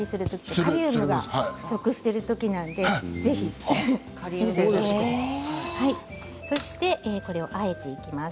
カリウムが不足していますのでぜひとってください。